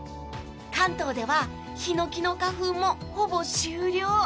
関東ではヒノキの花粉もほぼ終了。